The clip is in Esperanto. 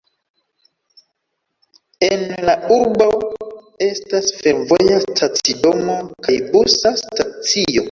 En la urbo estas fervoja stacidomo kaj busa stacio.